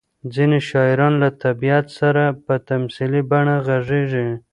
ځینې شاعران له طبیعت سره په تمثیلي بڼه غږېږي.